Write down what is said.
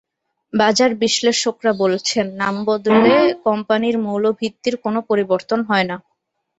বাজার বিশ্লেষকেরা বলছেন, নাম বদলে কোম্পানির মৌলভিত্তির কোনো পরিবর্তন হয় না।